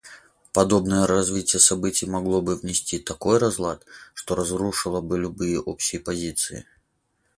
Подобное развитие событий могло бы внести такой разлад, что разрушило бы любые общие позиции.